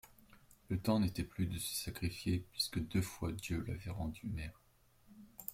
Le temps n'était plus de se sacrifier, puisque deux fois Dieu l'avait rendue mère.